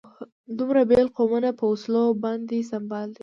دومره بېل قومونه په وسلو سمبال دي.